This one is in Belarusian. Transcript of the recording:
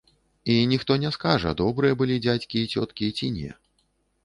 І ніхто не скажа, добрыя былі дзядзькі і цёткі ці не.